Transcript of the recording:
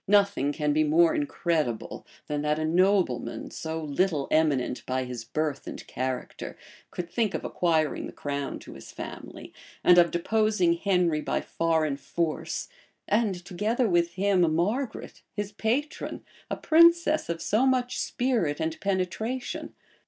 Nothing can be more incredible, than that a nobleman, so little eminent by his birth and character, could think of acquiring the crown to his family, and of deposing Henry by foreign force, and, together with him, Margaret, his patron, a princess of so much spirit and penetration.